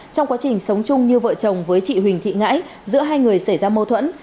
trong quá trình sống chung như vợ chồng với chị huỳnh thị ngãi giữa hai người xảy ra mâu thuẫn